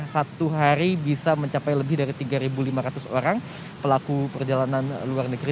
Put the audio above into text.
satu hari bisa mencapai lebih dari tiga lima ratus orang pelaku perjalanan luar negeri